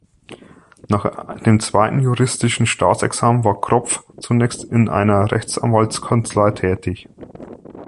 Nach dem Zweiten Juristischen Staatsexamen war Kropff zunächst in einer Rechtsanwaltskanzlei tätig.